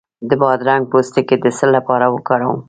د بادرنګ پوستکی د څه لپاره وکاروم؟